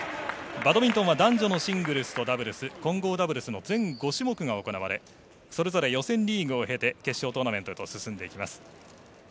バドミントンは男女のシングルスとダブルス混合ダブルスの全５種目が行われそれぞれ予選トーナメントが行われ、決勝に進んでいきます。